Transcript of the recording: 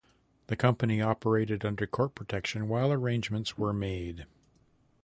The company operated under court protection while arrangements were made.